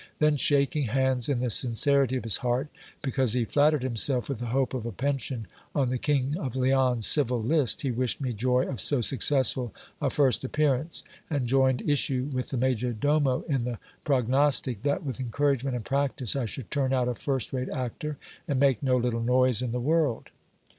Then, shaking hands in the sincerity of his heart, because he flattered himself with the hope of a pension on the King of Leon's civil list, he wished me joy of so successful a first appearance, and joined issue with the major domo in the prognostic, that with encouragement and practice I should turn out a first rate actor, and make no little noise in the world.